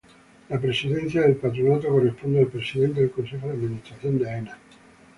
La Presidencia del Patronato corresponde al Presidente del Consejo de Administración de Aena.